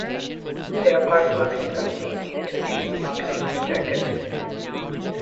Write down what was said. They are part of the marketing strategy needed to achieve marketing objectives.